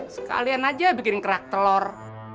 sekalian aja bikin kerak telur